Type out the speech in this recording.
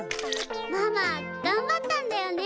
ママがんばったんだよね。